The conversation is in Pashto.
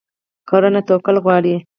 کرنه توکل غواړي.